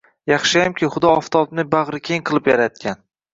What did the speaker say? Yaxshiyamki Xudo oftobni bag’rikeng qilib yaratgan.